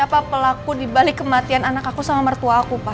kamu kasih tau siapa pelaku di balik kematian anak aku sama mertua aku pa